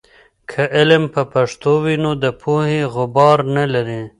که علم په پښتو وي، نو د پوهې غبار نلري.